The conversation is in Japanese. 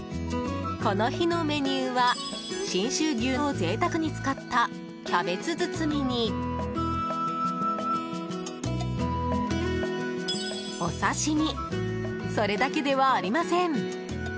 この日のメニューは信州牛を贅沢に使ったキャベツ包みに、お刺し身それだけではありません。